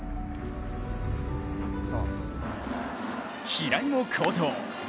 平井も好投。